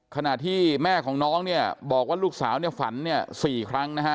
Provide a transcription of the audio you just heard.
ขณะที่แม่ของน้องเนี่ยบอกว่าลูกสาวเนี่ยฝันเนี่ย๔ครั้งนะฮะ